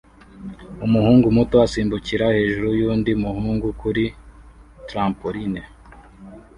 Umuhungu muto asimbukira hejuru yundi muhungu kuri trampoline